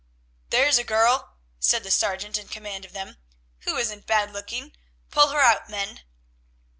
"There's a girl," said the sergeant in command of them, "who isn't bad looking. Pull her out, men."